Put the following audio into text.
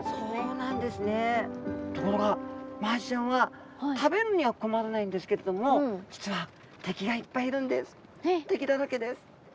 ところがマアジちゃんは食べるには困らないんですけれども実は敵だらけです。